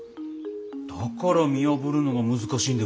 だから見破るのが難しいんでがすね。